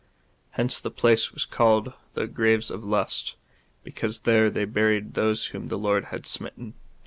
Hence the place was called the graves of lust,^ because there they buried those whom the Lord had smit ten.